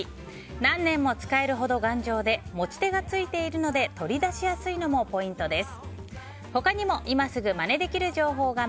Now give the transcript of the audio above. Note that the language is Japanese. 何年も使えるほど頑丈で持ち手がついているので取り出しやすいのもポイントです。